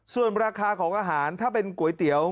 ส่วนราคาของอาหารถ้าเป็นก๋วยเตี๋ยว